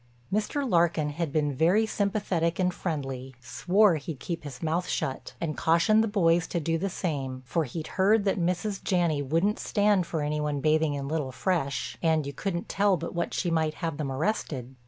Mr. Larkin had been very sympathetic and friendly, swore he'd keep his mouth shut, and cautioned the boys to do the same, for he'd heard that Mrs. Janney wouldn't stand for any one bathing in Little Fresh and you couldn't tell but what she might have them arrested.